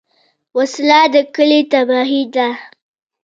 وسله د کلي تباهي ده